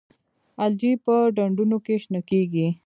الجی په ډنډونو کې شنه کیږي